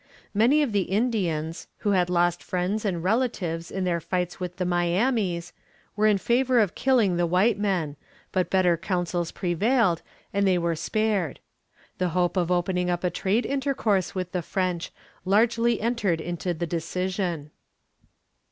Many of the Indians, who had lost friends and relatives in their fights with the Miamis, were in favor of killing the white men, but better counsels prevailed, and they were spared. The hope of opening up a trade intercourse with the French largely entered into the decision.